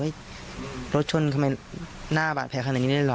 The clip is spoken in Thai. รถชนทำไมหน้าบาดแผลขนาดนี้ได้เหรอ